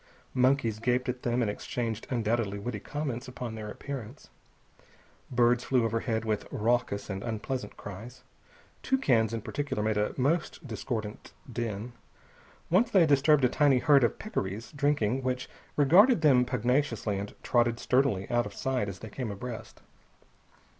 Monkeys gaped at them and exchanged undoubtedly witty comments upon their appearance. Birds flew overhead with raucous and unpleasant cries. Toucans, in particular, made a most discordant din. Once they disturbed a tiny herd of peccaries, drinking, which regarded them pugnaciously and trotted sturdily out of sight as they came abreast.